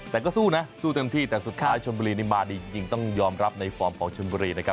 แต่ก็สู้นะสู้เต็มที่แต่สุดท้ายชนบุรีนี่มาดีจริงต้องยอมรับในฟอร์มของชนบุรีนะครับ